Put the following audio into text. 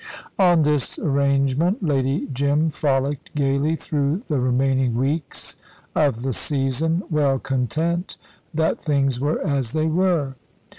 On this arrangement Lady Jim frolicked gaily through the remaining weeks of the season, well content that things were as they were.